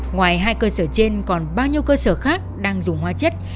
ngoài hai cơ sở trên còn bao nhiêu cơ sở khác đang dùng hóa chất